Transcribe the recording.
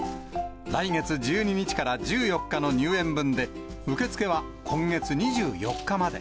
来月１２日から１４日の入園分で、受け付けは今月２４日まで。